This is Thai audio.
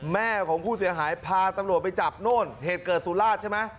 แม่ของผู้เสียหายพาตำรวจไปจับโน่นเหตุเกิดสุราชใช่ไหม